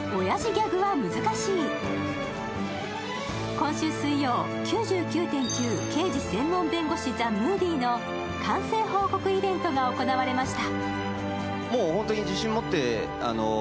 今週水曜、「９９．９−刑事専門弁護士−ＴＨＥＭＯＶＩＥ」の完成報告イベントが行われました。